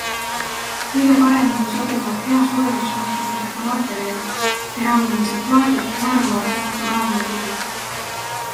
Kõige paremini sobivad hea soojusjuhtivusega materjalid - keraamilised plaadid, marmor, naturaalne kivi.